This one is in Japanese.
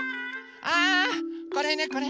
あこれだこれ。